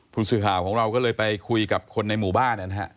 ผู้สื่อข่าวของเราก็เลยไปคุยกับคนในหมู่บ้านนะครับ